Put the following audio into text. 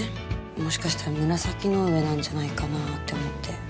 もしかしたら紫の上なんじゃないかなって思って。